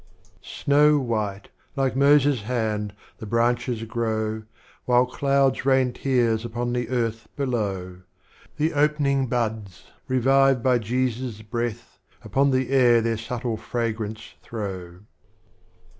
XIT. Snow white, like Moses' hand,° the Branches grow, While Clouds rain Tears upon the Earth below. The opening buds revived by Jesus' breath, Upon the air their Subtile Fragrance throw.